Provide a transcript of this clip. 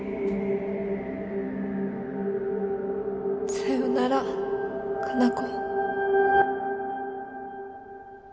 さよなら可南子。